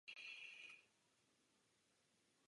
Jinými slovy, nejde jen o záchranu lidských životů.